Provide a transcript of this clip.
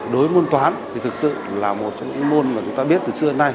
đối với môn toán thì thực sự là một trong những môn mà chúng ta biết từ xưa đến nay